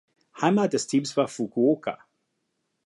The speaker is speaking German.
Heimat des Teams war Fukuoka.